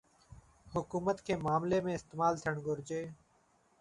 حڪومت کي معاملي ۾ استعمال ٿيڻ گهرجي